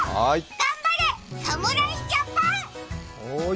頑張れ、侍ジャパン！